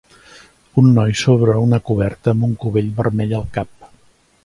Un noi sobre una coberta amb un cubell vermell al cap.